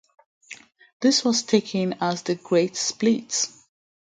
This was known as The Great Split.